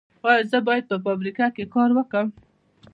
ایا زه باید په فابریکه کې کار وکړم؟